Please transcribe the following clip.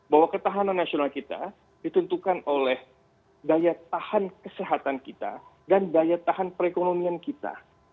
bahwa ketahanan nasional kita ditentukan oleh daya tahan kesehatan kita dan daya tahan perekonomian kita